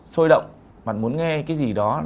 sôi động bạn muốn nghe cái gì đó